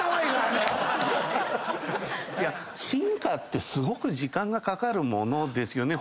進化ってすごく時間がかかるものですよね